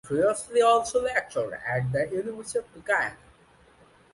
He previously also lectured at the University of Guyana.